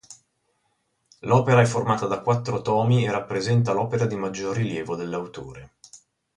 L'opera è formata da quattro tomi e rappresenta l'opera di maggior rilievo dell'autore.